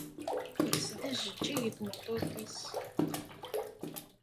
Yekkes-d ajeǧǧig i tmeṭṭut-is.